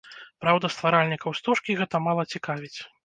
Праўда, стваральнікаў стужкі гэта мала цікавіць.